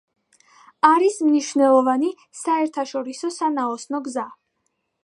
არის მნიშვნელოვანი საერთაშორისო სანაოსნო გზა.